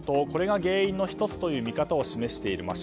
これが原因の１つという見方を示している。